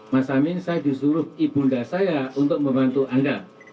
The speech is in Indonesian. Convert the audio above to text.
mas amin saya disuruh ibunda saya untuk membantu anda